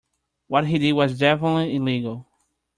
What he did was definitively illegal.